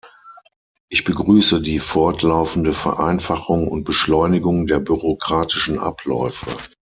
Ich begrüße die fortlaufende Vereinfachung und Beschleunigung der bürokratischen Abläufe.